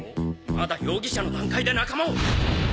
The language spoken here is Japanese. まだ容疑者の段階で仲間を！